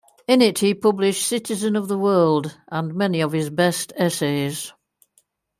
In it he published "Citizen of the World" and many of his best essays.